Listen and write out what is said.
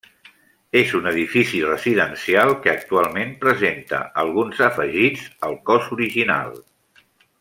És un edifici residencial que actualment presenta alguns afegits al cos original.